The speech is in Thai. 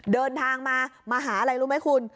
เดินทางมามาหาอะไรรู้ไหมคุณ